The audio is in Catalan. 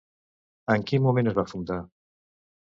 En quin moment es va fundar?